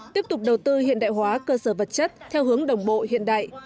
tiếp tục đầu tư hiện đại hóa cơ sở vật chất theo hướng đồng bộ hiện đại